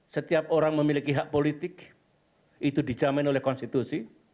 setiap orang memiliki hak politik itu dijamin oleh konstitusi